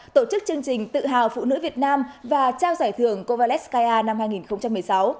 tổ chức chương trình tự hào phụ nữ việt nam và trao giải thưởng kovalev skyar năm hai nghìn một mươi sáu